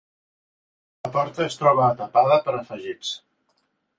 La porta es troba tapada per afegits.